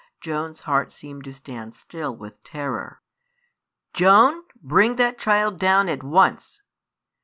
Joan's heart seemed to stand still with terror. "Joan, bring that child down at once!"